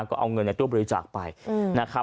ก็เอาเงินในตู้บริจาคไปนะครับ